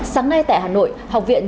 sáng nay tại hà nội học viện